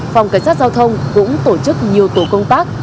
phòng cảnh sát giao thông cũng tổ chức nhiều tổ công tác